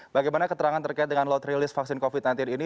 bagaimana keterangan terkait dengan lod rilis vaksin covid sembilan belas ini